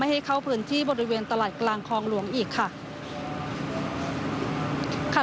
ให้เข้าพื้นที่บริเวณตลาดกลางคลองหลวงอีกค่ะ